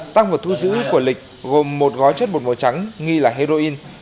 tăng vật thu giữ của lịch gồm một gói chất bột màu trắng nghi là heroin